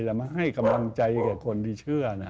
แล้วมาให้กำลังใจกับคนที่เชื่อนะ